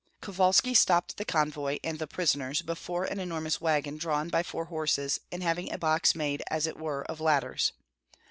Kovalski stopped the convoy and the prisoners before an enormous wagon drawn by four horses, and having a box made as it were of ladders.